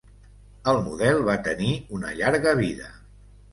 El model va tenir una llarga vida.